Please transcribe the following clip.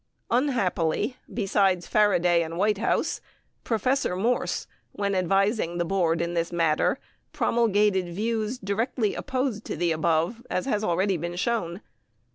Unhappily besides Faraday and Whitehouse Professor Morse (when advising the Board in this matter) promulgated views directly opposed to the above, as has already been shown.